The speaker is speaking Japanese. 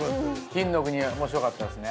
金の国面白かったですね。